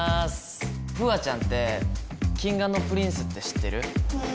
楓空ちゃんって、Ｋｉｎｇ＆Ｐｒｉｎｃｅって知ってる？